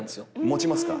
持ちますか？